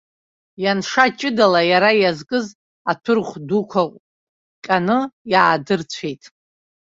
Ианша ҷыдала иара иазкыз аҭәырӷә дуқәа ҟьаны иаадырцәеит.